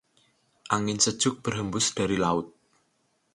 Angin sejuk berhembus dari laut.